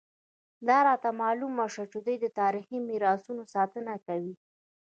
دا راته معلومه شوه چې دوی د تاریخي میراثونو ساتنه کوي.